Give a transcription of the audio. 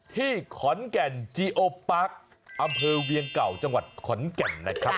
ที่ขอนแก่นจีโอปาร์คอำเภอเวียงเก่าจังหวัดขอนแก่นนะครับ